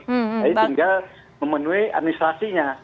jadi tinggal memenuhi administrasinya